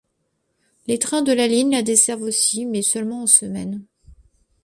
Les trains de la ligne la desservent aussi, mais seulement en semaine.